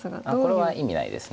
これは意味ないです。